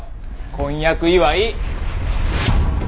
婚約祝い。